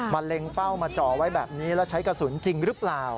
เล็งเป้ามาจ่อไว้แบบนี้แล้วใช้กระสุนจริงหรือเปล่า